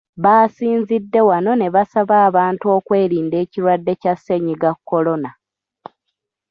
Baasinzidde wano ne basaba abantu okwerinda ekirwadde kya Ssennyiga kolona.